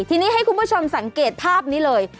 ทีนี้ให้คุณผู้ชมสังเกตภาพนี้เลย